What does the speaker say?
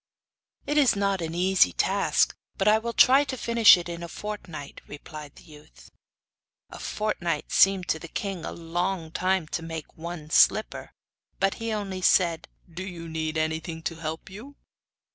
'It is not an easy task; but I will try to finish it in a fortnight,' replied the youth. A fortnight seemed to the king a long time to make one slipper. But he only said: 'Do you need anything to help you?